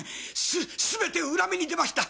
すべて裏目に出ました。